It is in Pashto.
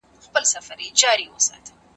زه پرون د کتابتون لپاره کار کوم!